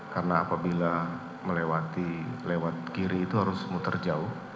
karena apabila melewati lewat kiri itu harus muter jauh